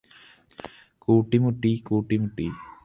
കുടിമുടി കുടിമുടി